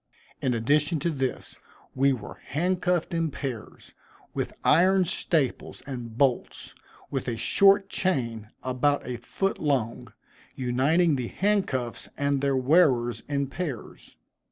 In addition to this, we were handcuffed in pairs, with iron staples and bolts, with a short chain, about a foot long, uniting the handcuffs and their wearers in pairs.